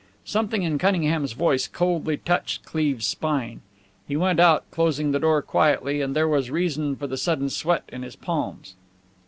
Something in Cunningham's tone coldly touched Cleve's spine. He went out, closing the door quietly; and there was reason for the sudden sweat in his palms.